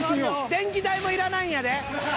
電気代もいらないんやで。